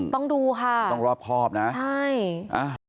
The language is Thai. ต้องดูค่ะใช่ต้องรอบครอบนะต้องดูค่ะ